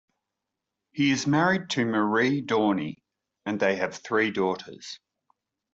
He is married to Marie Dorney and they have three daughters.